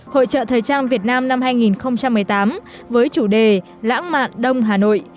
hội trợ thời trang việt nam năm hai nghìn một mươi tám với chủ đề lãng mạn đông hà nội